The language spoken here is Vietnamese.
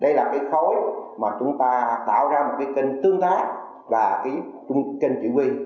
đây là khối mà chúng ta tạo ra một kênh tương tác và kênh chỉ huy